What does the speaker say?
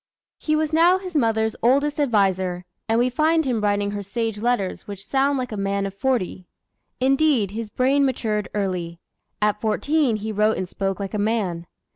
He was now his mother's oldest adviser, and we find him writing her sage letters which sound like a man of forty. Indeed, his brain matured early. At fourteen he wrote and spoke like a man.